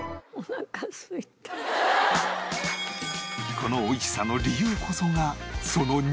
この美味しさの理由こそがその肉